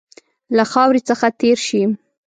له خاوري څخه تېر شي.